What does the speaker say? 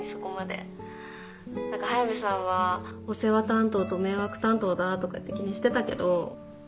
何か速見さんはお世話担当と迷惑担当だとかって気にしてたけど。